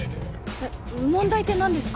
えっ問題って何ですか？